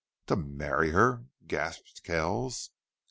"To marry her?" gasped Kells.